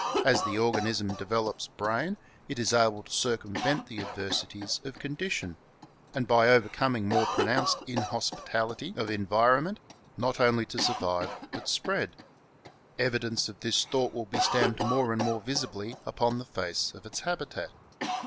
As the organism develops brain it is able to circumvent the adversities of condition; and by overcoming more pronounced inhospitality of environment not only to survive but spread. Evi dence of this thought will be stamped more and more visibly upon the face of its habitat.